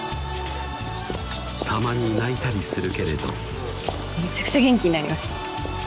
たまに泣いたりするけれどめちゃくちゃ元気になりました